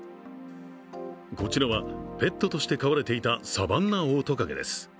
こちらは、ペットとして飼われていたサバンナオオトカゲです。